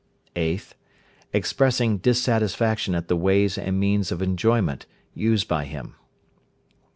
8th. Expressing dissatisfaction at the ways and means of enjoyment used by him.